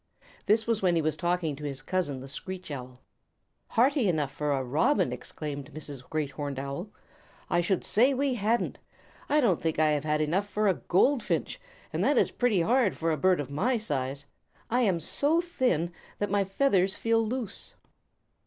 This was when he was talking to his cousin, the Screech Owl. "Hearty enough for a Robin!" exclaimed Mrs. Great Horned Owl. "I should say we hadn't. I don't think I have had enough for a Goldfinch, and that is pretty hard for a bird of my size. I am so thin that my feathers feel loose."